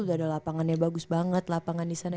udah ada lapangannya bagus banget lapangan di sana